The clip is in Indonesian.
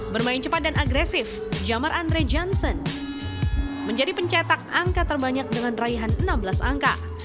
bermain cepat dan agresif jamar andre johnson menjadi pencetak angka terbanyak dengan raihan enam belas angka